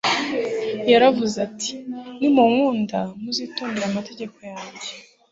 Yaravuze ati: «Nimunkunda, muzitondera amategeko yanjye.»